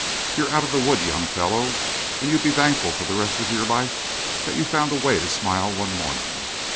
You're out of the wood, young fellow, and you be thankful for the rest of your life that you found the way to smile one morning.